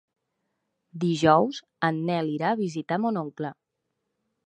Dijous en Nel irà a visitar mon oncle.